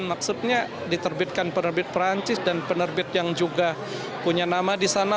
maksudnya diterbitkan penerbit perancis dan penerbit yang juga punya nama di sana